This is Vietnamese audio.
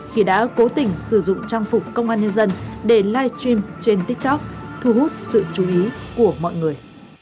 khi đã cố tình sử dụng trang phục công an nhân dân để live stream trên tiktok thu hút sự chú ý của mọi người